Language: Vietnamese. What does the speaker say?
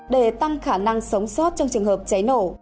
để tăng khả năng sống sót trong trường hợp cháy nổ